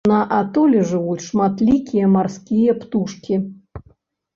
На атоле жывуць шматлікія марскія птушкі.